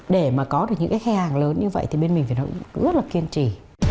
để mà có được những khách hàng lớn như vậy thì bên mình phải rất là kiên trì